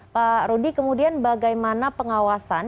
pak rudy kemudian bagaimana pengawasan